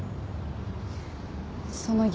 その逆